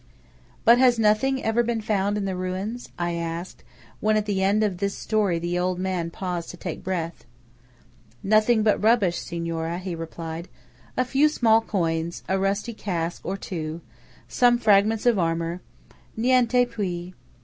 "But has nothing ever been found in the ruins?" I asked, when at the end of this story the old man paused to take breath. "Nothing but rubbish, Signora," he replied. "A few small coins–a rusty casque or two–some fragments of armour–niente più!"